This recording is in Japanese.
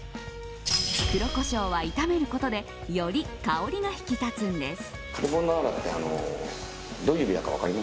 黒コショウは炒めることでより香りが引き立つんです。